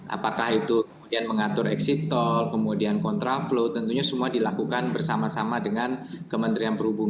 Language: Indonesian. apakah itu kemudian mengatur exit tol kemudian kontra flow tentunya semua dilakukan bersama sama dengan kementerian perhubungan